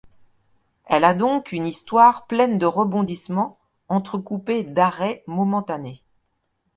Elle a donc une histoire pleine de rebondissements, entrecoupée d'arrêts momentanés.